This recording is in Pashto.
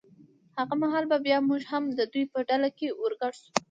هغه مهال به بیا موږ هم د دوی په ډله کې ور ګډ شو.